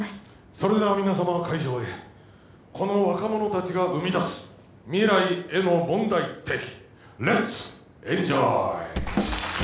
それでは皆さま会場へこの若者達が生み出す未来への問題提起レッツエンジョーイ